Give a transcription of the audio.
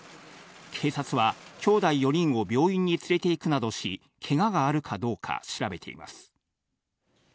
警察はきょうだい４人を病院に連れて行くなどし、けががあるかどうか調べています。